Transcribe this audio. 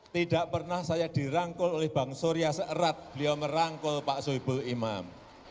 tidak pernah saya dirangkul oleh bang surya seerat beliau merangkul pak soebul imam